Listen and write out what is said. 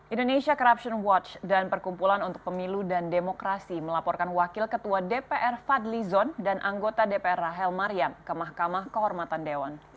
indonesia corruption watch dan perkumpulan untuk pemilu dan demokrasi melaporkan wakil ketua dpr fadli zon dan anggota dpr rahel mariam ke mahkamah kehormatan dewan